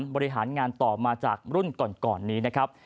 บริหารงานต่อมาจากรุ่นก่อนนี้นะครับ